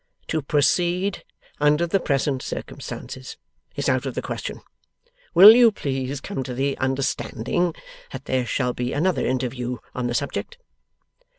To proceed under the present circumstances is out of the question. Will you please come to the understanding that there shall be another interview on the subject?